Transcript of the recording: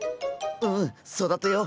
うん育てよう。